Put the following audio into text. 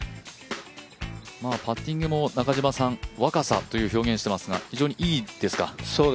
パッティングも中嶋さん、若さと表現してますが非常にいいですか？